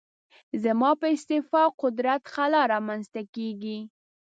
زما په استعفا قدرت خلا رامنځته کېږي.